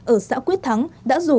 ở xã quyết thắng đã rủ